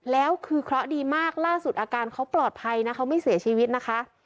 แล้วคือเคราะห์ดีมากล่าสุดอาการเขาปลอดภัยนะเขาไม่เสียชีวิตนะคะ